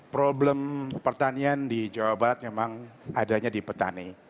problem pertanian di jawa barat memang adanya di petani